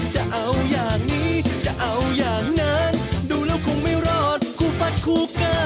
จะเอาอย่างนี้จะเอาอย่างนั้นดูแล้วคงไม่รอดคู่ฟัดคู่เกอร์